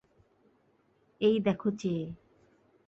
এই দেখো চেয়ে।